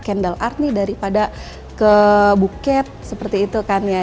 saya lebih tertarik ke candle art nih daripada ke buket seperti itu kan ya